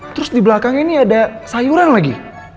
terus di belakang ini ada sayuran lagi